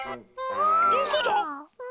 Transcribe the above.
どこだ？え？